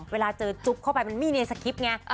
เวลาจะจุบเข้าไปมีในสกิป